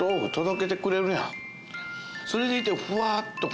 それでいてふわっと。